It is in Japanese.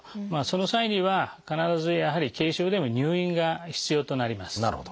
その際には必ずやはり軽症でも入院が必要となります。